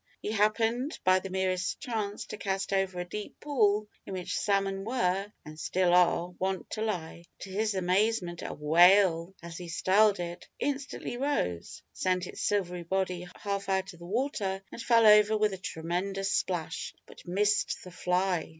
He happened, by the merest chance, to cast over a deep pool in which salmon were, (and still are), wont to lie. To his amazement, a "whale," as he styled it, instantly rose, sent its silvery body half out of the water, and fell over with a tremendous splash, but missed the fly.